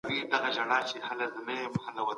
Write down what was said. دوی به د خلکو لپاره د کار زمینه برابروي.